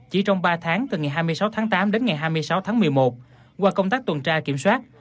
chỉ trong ba tháng từ ngày hai mươi sáu tháng tám đến ngày hai mươi sáu tháng một mươi một qua công tác tuần tra kiểm soát